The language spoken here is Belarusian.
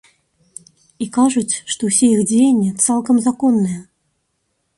І кажуць, што ўсе іх дзеянні цалкам законныя.